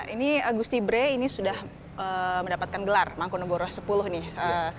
ini agusti bre ini sudah mendapatkan gelar mangkunegoro sepuluh nih